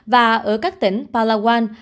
và ở các tỉnh palawan